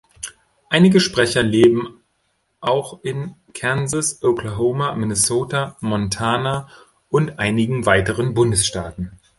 Einige Sprecher leben auch in Kansas, Oklahoma, Minnesota, Montana und einigen weiteren Bundesstaaten.